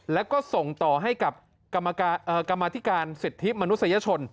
แล้วก็ส่งต่อให้กับกรรมธิการสิทธิมนุษยชน